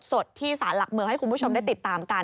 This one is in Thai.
สดที่สารหลักเมืองให้คุณผู้ชมได้ติดตามกัน